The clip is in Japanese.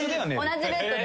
同じベッドで。